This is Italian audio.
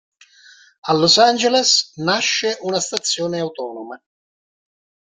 A Los Angeles nasce una stazione autonoma.